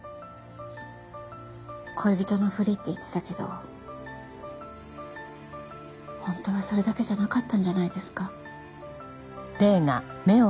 恋人のふりって言ってたけど本当はそれだけじゃなかったんじゃないですか？